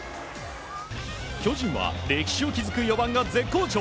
巨人は歴史を築く４番が絶好調。